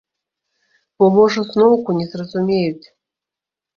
Бо, можа, зноўку не зразумеюць.